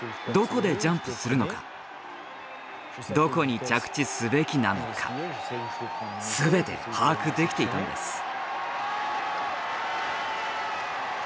どこでジャンプするのかどこに着地すべきなのか全て把握できていたんです。